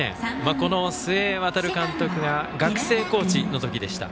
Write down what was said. この須江航監督が学生コーチの時でした。